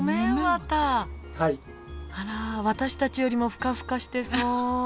あら私たちよりもフカフカしてそう。